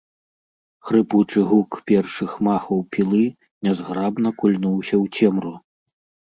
Хрыпучы гук першых махаў пілы нязграбна кульнуўся ў цемру.